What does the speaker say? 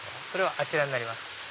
あちらになります。